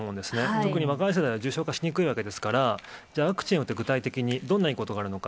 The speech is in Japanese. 特に若い世代は重症化しにくいわけですから、じゃあ、ワクチンを打って、具体的にどんないいことがあるのか。